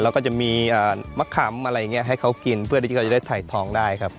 แล้วก็จะมีมะขำอะไรอย่างนี้ให้เขากินเพื่อที่เขาจะได้ถ่ายทองได้ครับ